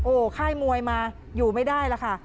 โอ้โหค่ายมวยมาอยู่ไม่ได้แล้วค่ะ